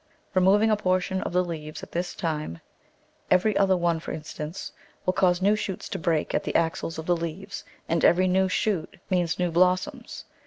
Removing a portion of the leaves at this time — every other one, for instance — will cause new shoots to break at the axils of the leaves, and every new shoot means new blossom point$.